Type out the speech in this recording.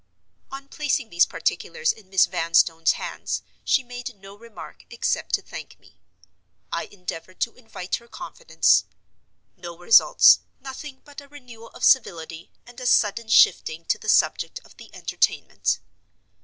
On placing these particulars in Miss Vanstone's hands, she made no remark, except to thank me. I endeavored to invite her confidence. No results; nothing but a renewal of civility, and a sudden shifting to the subject of the Entertainment.